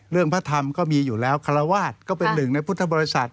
พระธรรมก็มีอยู่แล้วคาราวาสก็เป็นหนึ่งในพุทธบริษัท